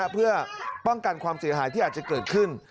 เพื่อป้องกันความเสียหายที่อาจจะเกิดขึ้น